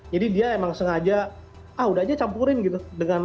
jadi dia emang sengaja ah udah aja campurin gitu